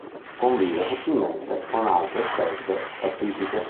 Convive facilmente con altre specie pacifiche.